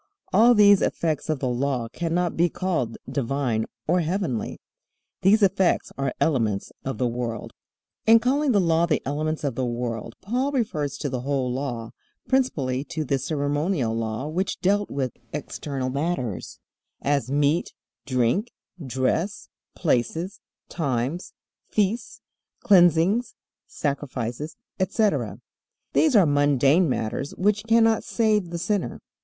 All these effects of the Law cannot be called divine or heavenly. These effects are elements of the world. In calling the Law the elements of the world Paul refers to the whole Law, principally to the ceremonial law which dealt with external matters, as meat, drink, dress, places, times, feasts, cleansings, sacrifices, etc. These are mundane matters which cannot save the sinner.